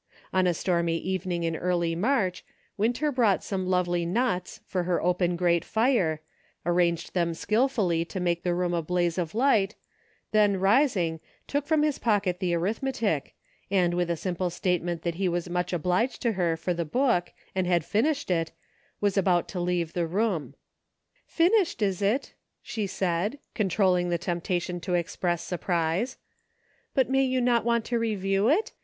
On a stormy evening in early March, Winter brought some lovely knots for her open grate fire, arranged them skillfully to make the room a blaze of light, then rising, took from his pocket the arithmetic, and, with the simple EXPERIMENTS. I5I Statement that he was much obliged to her for the book, and had finished it, was about to leave the room, " Finished, is it ?" she said, controlling the temptation to express surprise ; "but may you not want to review it